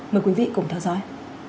mời quý vị cùng theo dõi